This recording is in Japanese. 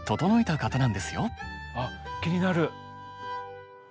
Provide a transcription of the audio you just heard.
あっ気になる！